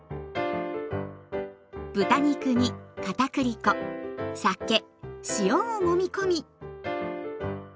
豚肉に片栗粉酒塩をもみ込み。